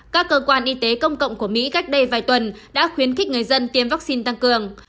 các cơ quan y tế công cộng của mỹ cách đây vài tuần đã khuyến khích người dân tiêm vaccine tăng cường